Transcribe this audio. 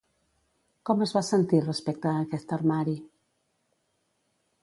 Com es va sentir respecte a aquest armari?